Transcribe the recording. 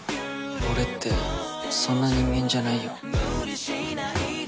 俺ってそんな人間じゃないよ